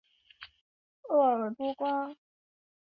厄瓜多尔是地震多发国家。